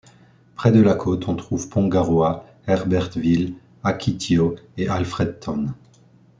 Près de la côte on trouve Pongaroa, Herbertville, Akitio et Alfredton.